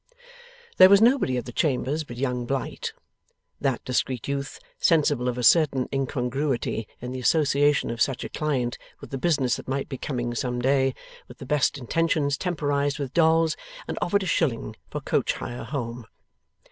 There was nobody at the chambers but Young Blight. That discreet youth, sensible of a certain incongruity in the association of such a client with the business that might be coming some day, with the best intentions temporized with Dolls, and offered a shilling for coach hire home.